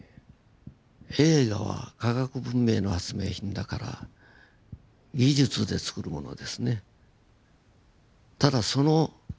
映画は科学文明の発明品だから技術でつくるものですね。